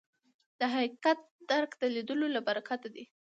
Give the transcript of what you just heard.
د حقیقت درک د لیدلو له برکته دی